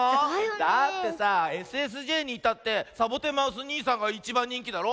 だってさＳＳＪにいたってサボテンマウスにいさんがいちばんにんきだろ。